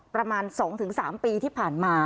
ประมาณ๒๓ปีที่ผ่านมา